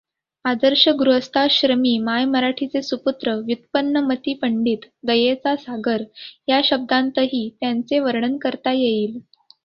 आदर्श गृहस्थाश्रमी, मायमराठीचे सुपुत्र, व्युत्पन्नमति पंडित, दयेचा सागर या शब्दांतही त्यांचे वर्णन करता येईल.